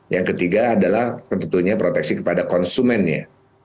yang ketiga adalah tentunya proteksi kepada konsumennya